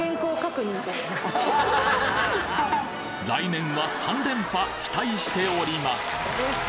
来年は３連覇期待しております